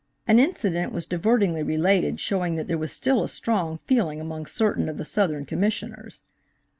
An incident was divertingly related showing that there was still a strong feel ing among certain of the Southern Commissioners.